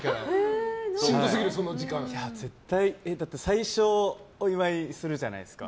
最初、お祝いするじゃないですか。